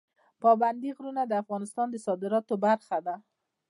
پابندی غرونه د افغانستان د صادراتو برخه ده.